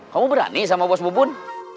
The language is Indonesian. kamu berani sama bos bu bun